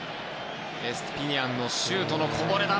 エストゥピニャンのシュートのこぼれ球。